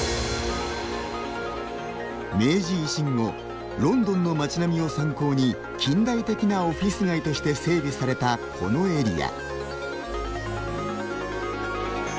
明治維新後ロンドンの街並みを参考に近代的なオフィス街として整備されたこのエリア。